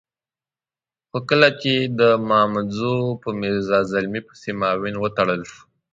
خو کله چې د مامدزو په میرزا زلمي پسې معاون وتړل شو.